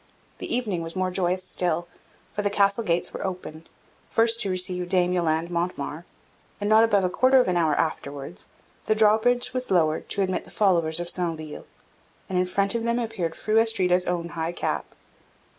The evening was more joyous still; for the Castle gates were opened, first to receive Dame Yolande Montemar, and not above a quarter of an hour afterwards, the drawbridge was lowered to admit the followers of Centeville; and in front of them appeared Fru Astrida's own high cap.